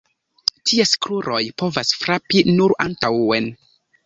Ties kruroj povas frapi nur antaŭen.